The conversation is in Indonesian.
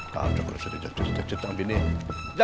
tak ada kelasnya jatuh jatuh jatuh jatuh ciptaan bininya